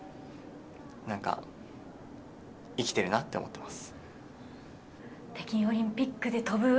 何か生きてるなって思います。